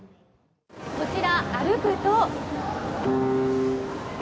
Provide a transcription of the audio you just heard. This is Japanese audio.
こちら、歩くと。